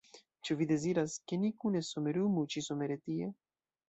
Ĉu vi deziras, ke ni kune somerumu ĉi-somere tie?